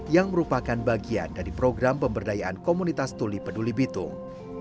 yang merupakan bagian dari program pemberdayaan komunitas tuli peduli bitung